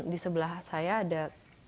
di sebelah saya ada